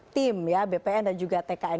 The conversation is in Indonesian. tim ya bpn dan juga tkn